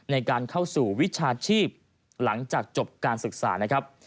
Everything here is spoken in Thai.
ในการเข้าสู่วิชาชีพหลังจากจบการศึกษานะครับ